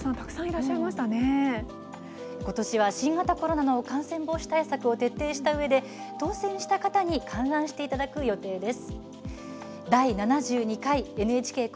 ことしは、新型コロナの感染防止対策を徹底したうえで当せんした方に観覧していただく予定です。